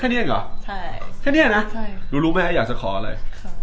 แค่เนี่ยเหรอแค่เนี่ยนะหนูรู้ไหมอยากจะขออะไร